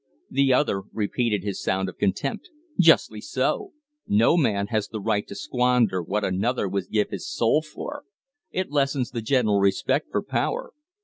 The other repeated his sound of contempt. "Justly so. No man has the right to squander what another would give his soul for. It lessens the general respect for power."